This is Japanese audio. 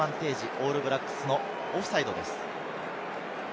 オールブラックスのオフサイドです。